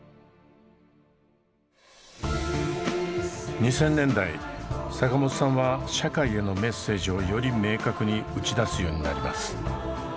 ２０００年代坂本さんは社会へのメッセージをより明確に打ち出すようになります。